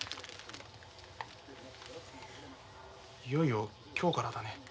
いよいよ今日からだね。